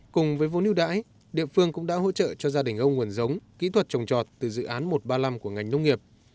cùng với vốn ưu đãi địa phương cũng đã hỗ trợ cho gia đình ông nguồn giống kỹ thuật trồng trọt từ dự án một trăm ba mươi năm của ngành nông nghiệp